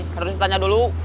harus ditanya dulu